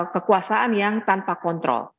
kekuasaan yang tanpa kontrol